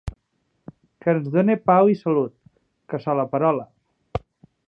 Que ens done pau i salut! Cassola perola!